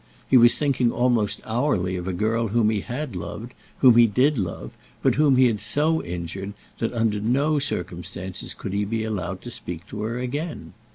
He was thinking almost hourly of a girl whom he had loved, whom he did love, but whom he had so injured, that, under no circumstances, could he be allowed to speak to her again.